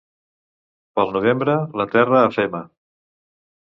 Pel novembre, la terra afema.